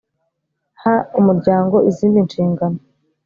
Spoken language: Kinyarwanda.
ha umuryango izindi nshingano